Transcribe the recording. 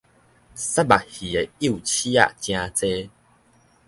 虱目魚的幼刺仔誠濟